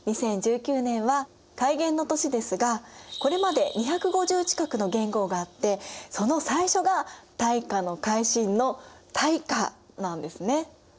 ２０１９年は改元の年ですがこれまで２５０近くの元号があってその最初が大化の改新の「大化」なんですね。